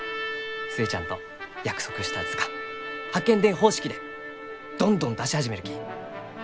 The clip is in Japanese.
寿恵ちゃんと約束した図鑑八犬伝方式でどんどん出し始めるき。